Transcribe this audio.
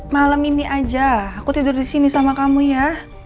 malem ini aja aku tidur disini sama kamu ya